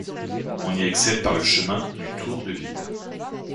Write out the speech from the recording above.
On y accède par le chemin du tour-de-ville.